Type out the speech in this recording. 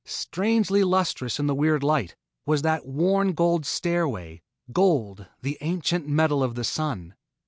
Strangely lustrous in the weird light, was that worn stairway of gold gold, the ancient metal of the Sun.